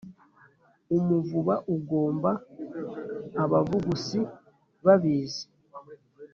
umuvuba ugomba abavugusi babizi